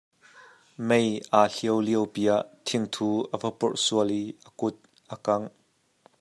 Mei aa hlio lio pi ah thingthu a va purh sual i a kut a kangh.